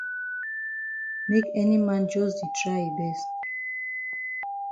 Make any man jus di try yi best.